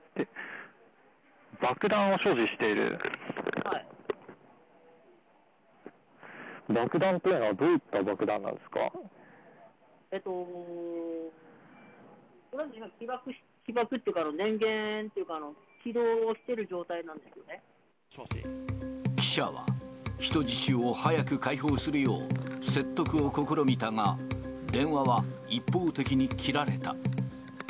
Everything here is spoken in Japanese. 起爆というか、電源というか、記者は、人質を早く解放するよう説得を試みたが、電話は一方的に切られた。